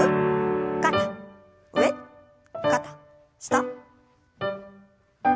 肩上肩下。